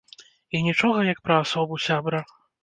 І нічога як пра асобу, сябра.